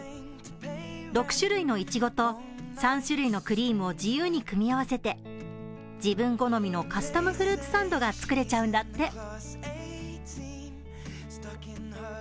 ６種類のいちごと３種類のクリームを自由に組み合わせて自分好みのカスタムフルーツサンドが作れちゃうんだって。